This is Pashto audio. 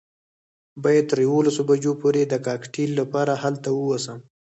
باید تر یوولسو بجو پورې د کاکټیل لپاره هلته ووسم.